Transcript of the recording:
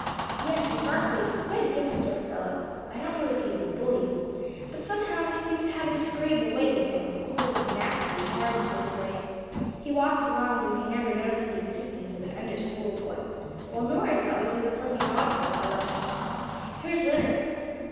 "Yes, and Barkley is quite a different sort of fellow. I don't know that he is a bully, but somehow he seems to have a disagreeable way with him, a cold, nasty, hard sort of way; he walks along as if he never noticed the existence of an Under School boy, while Norris always has a pleasant nod for a fellow." "Here's Litter."